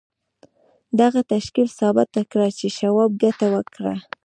دغه تشکیل ثابته کړه چې شواب ګټه وکړه